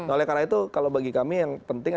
oleh karena itu kalau bagi kami yang penting